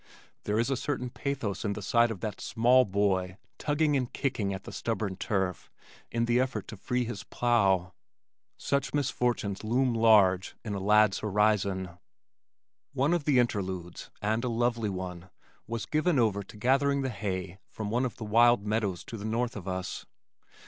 There is a certain pathos in the sight of that small boy tugging and kicking at the stubborn turf in the effort to free his plow. Such misfortunes loom large in a lad's horizon. One of the interludes, and a lovely one, was given over to gathering the hay from one of the wild meadows to the north of us.